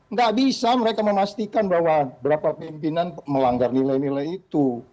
nggak bisa mereka memastikan bahwa berapa pimpinan melanggar nilai nilai itu